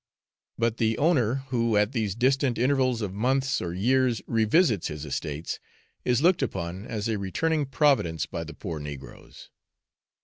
But the owner who at these distant intervals of months or years revisits his estates, is looked upon as a returning providence by the poor negroes.